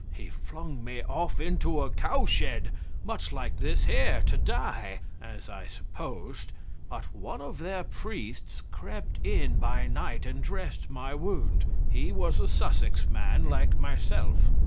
He flung me off into a cowshed, much like this here, to die, as I supposed; but one of their priests crept in by night and dressed my wound. He was a Sussex man like myself.